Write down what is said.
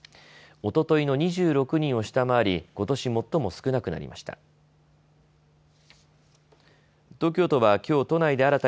おとといの２６人を下回りことし最も少なくなりました。